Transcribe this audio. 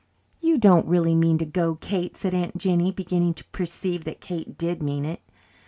"You don't really mean to go, Kate!" said Aunt Jennie, beginning to perceive that Kate did mean it.